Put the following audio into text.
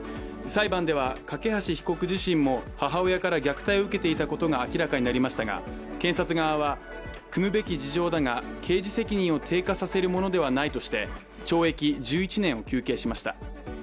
裁判では梯被告も母親から虐待を受けていたことが明らかになりましたが検察側は酌むべき事情だが刑事責任を低下させるものではないとして懲役１１年を求刑しました。